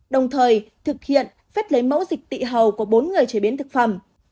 đồng thời thực hiện phép lấy mẫu dịch tị hầu của bốn người chế biến thực phẩm